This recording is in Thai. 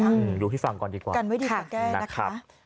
อืมดูให้ฟังก่อนดีกว่ากันไว้ดีกว่าแก้นะครับ